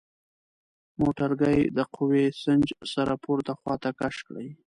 موټرګی د قوه سنج سره پورته خواته کش کړئ.